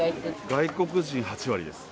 外国人８割です。